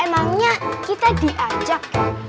emangnya kita diajak